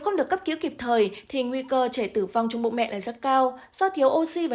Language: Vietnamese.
không được cấp cứu kịp thời thì nguy cơ trẻ tử vong trong bụng mẹ là rất cao do thiếu oxy và